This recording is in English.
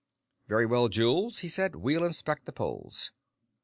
"Very well, Jules," he said, "we'll inspect the poles."